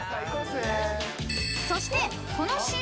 ［そして］